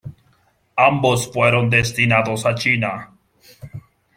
Ambos fueron destinados a China.